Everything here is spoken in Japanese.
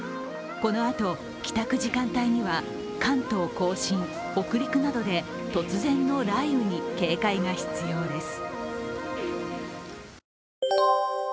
この後、帰宅時間帯には関東甲信、北陸などで突然の雷雨に警戒が必要です。